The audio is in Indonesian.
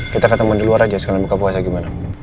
kita ketemu di luar aja sekarang buka puasa gimana